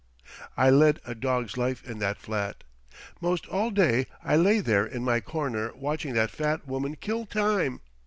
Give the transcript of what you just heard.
I led a dog's life in that flat. 'Most all day I lay there in my corner watching that fat woman kill time.